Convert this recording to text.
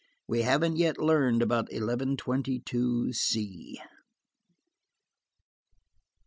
"We haven't yet learned about eleven twenty two C."